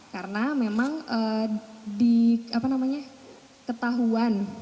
karena memang di apa namanya ketahuan